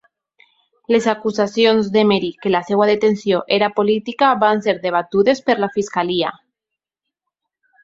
Les acusacions d'Emery que la seva detenció era política van ser debatudes per la fiscalia.